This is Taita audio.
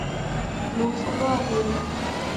Lufu lwaghulwa